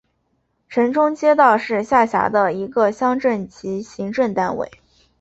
城中街道是下辖的一个乡镇级行政单位。